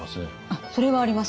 あっそれはあります。